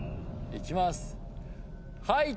いきます。